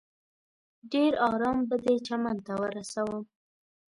ډېر ارام به دې چمن ته ورسوم.